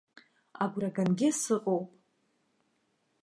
Агәра гангьы сыҟоуп.